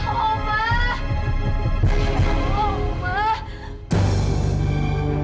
yang sepupu banget